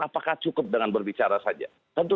apakah cukup dengan berbicara saja tentu